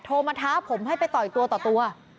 โทรมาท้าผมให้ไปต่อยตัวต่อตัว